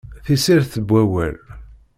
Tissirt n wawal!